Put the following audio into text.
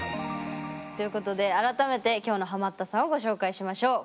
っていうことで改めて今日のハマったさんをご紹介しましょう。